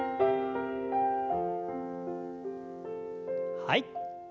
はい。